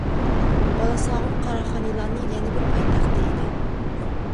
بالاساغۇن قاراخانىيلارنىڭ يەنە بىر پايتەختى ئىدى.